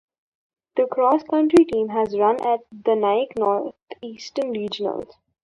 The Cross Country team has run at the Nike Northeastern Regionals.